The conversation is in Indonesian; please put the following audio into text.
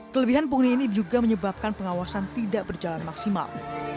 kelebihan pungli ini juga menyebabkan pengawasan tidak berjalan maksimal